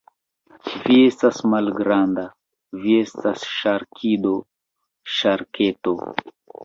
Vi estas malgranda. Vi estas ŝarkido. Ŝarketo.